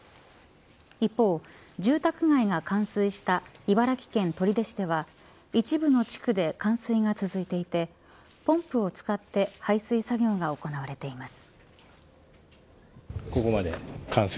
一方、住宅街が冠水した茨城県取手市では一部の地区で冠水が続いていてポンプを使って排水作業が行われています。